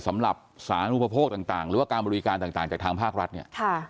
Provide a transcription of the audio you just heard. สำหรับสารูปโภคต่างหรือว่าการบริการต่างจากทางภาครัฐเนี่ย